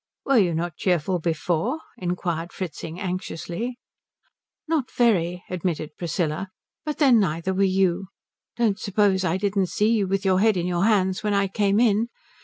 "Were you not cheerful before?" inquired Fritzing anxiously. "Not very," admitted Priscilla. "But then neither were you. Don't suppose I didn't see you with your head in your hands when I came in.